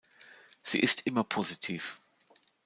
Sie ist immer positiv.